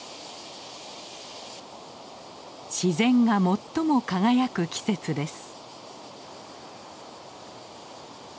自然が最も輝く季節です。